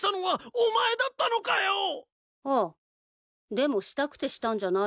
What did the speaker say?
でもしたくてしたんじゃないよ。